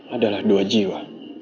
adalah dua jiwa